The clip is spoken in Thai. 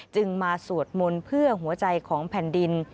จึงมาสวดมนต์เพื่อหัวใจของแผ่นดิน